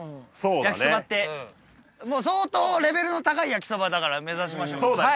焼きそばって相当レベルの高い焼きそばだから目指しましょうそうだね